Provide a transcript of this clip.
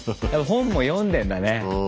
本も読んでんだね。